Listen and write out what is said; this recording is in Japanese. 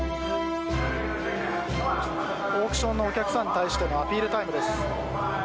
オークションのお客さんに対してのアピールタイムです。